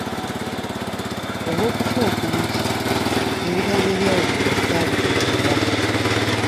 Olw’okutya okungi, ebigambo ebyayogerwa saabitegeera.